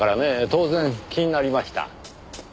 当然気になりました。